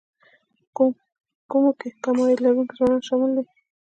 په کومو کې کم عاید لرونکي ځوانان شامل دي